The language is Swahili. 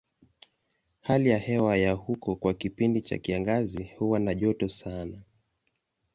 Hali ya hewa ya huko kwa kipindi cha kiangazi huwa na joto sana.